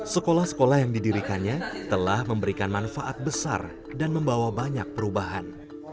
sekolah sekolah yang didirikannya telah memberikan manfaat besar dan membawa banyak perubahan